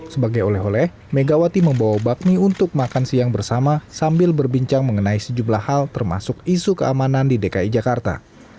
sebagai oleh oleh megawati membawa bakmi untuk makan siang bersama sambil berbincang mengenai sejumlah hal termasuk isu keamanan di dki jakarta